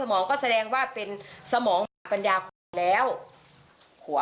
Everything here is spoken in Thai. มีแต่เบียบพี่น่ะมาตีแม่หนู